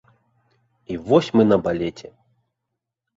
І вось мы на балеце.